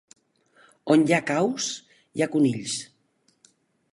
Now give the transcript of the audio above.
On hi ha caus, hi ha conills.